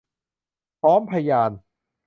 พร้อมพยาน